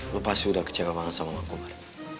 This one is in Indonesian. lo pasti udah kecewa banget sama bangkobar